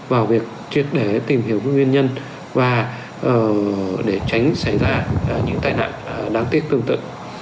vào việc triệt để tìm hiểu nguyên nhân và để tránh xảy ra những tai nạn đáng tiếc tương tự